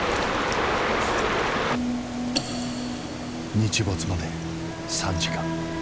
日没まで３時間。